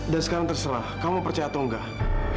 sekarang terserah kamu percaya atau enggak